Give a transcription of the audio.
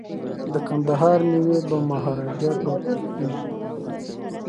د کندهار میوې به مهاراجا ته ورکول کیږي.